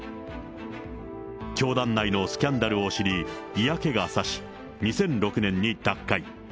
教団内のスキャンダルを知り、嫌気がさし、２００６年に脱会。